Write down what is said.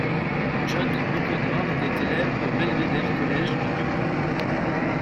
John O'Conor est élève au Belvedere College de Dublin.